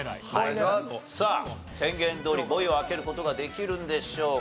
さあ宣言どおり５位を開ける事ができるんでしょうか？